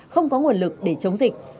không có nguồn lực để chống dịch